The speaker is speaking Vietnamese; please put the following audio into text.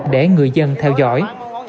để người dân theo dõi